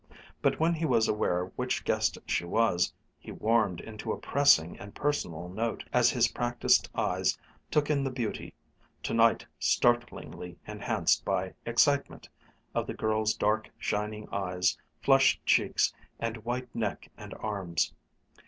But when he was aware which guest she was, he warmed into a pressing and personal note, as his practised eyes took in the beauty, tonight startlingly enhanced by excitement, of the girl's dark, shining eyes, flushed cheeks, and white neck and arms.